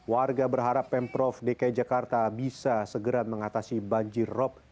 warga berharap pemprov dki jakarta bisa segera mengatasi banjirop